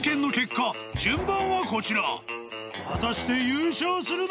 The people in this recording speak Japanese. ［果たして優勝するのは！？］